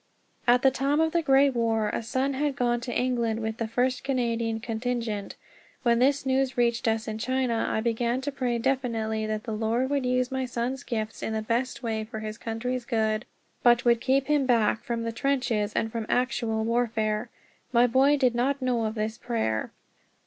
At the time of the Great War a son had gone to England with the first Canadian contingent. When this news reached us in China, I began to pray definitely that the Lord would use my son's gifts in the best way for his country's good, but would keep him back from the trenches and from actual warfare. My boy did not know of this prayer.